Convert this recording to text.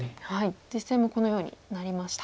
実戦もこのようになりました。